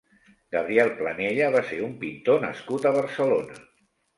Gabriel Planella va ser un pintor nascut a Barcelona.